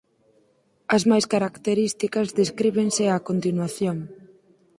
As máis características descríbense a continuación.